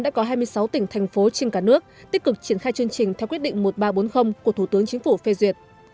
đã có hai mươi sáu tỉnh thành phố trên cả nước tích cực triển khai chương trình theo quyết định một nghìn ba trăm bốn mươi của thủ tướng chính phủ phê duyệt